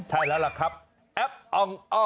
ใช่แล้วครับแอ๊บองอ